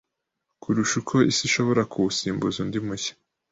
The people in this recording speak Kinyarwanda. kurusha uko isi ishobora kuwusimbuza undi mushya